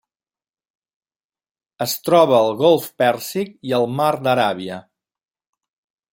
Es troba al Golf Pèrsic i al Mar d'Aràbia.